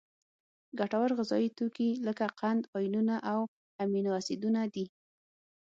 ګټور غذایي توکي لکه قند، آیونونه او امینو اسیدونه دي.